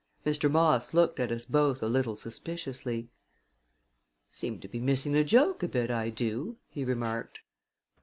Mr. Moss looked at us both a little suspiciously. "Seem to be missing the joke a bit I do!" he remarked.